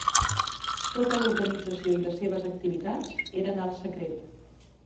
Tota l'organització i les seves activitats eren alt secret.